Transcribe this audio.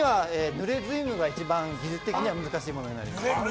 ぬれ瑞夢が一番、技術的には難しいものになります。